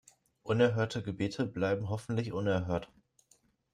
Unerhörte Gebete bleiben hoffentlich unerhört.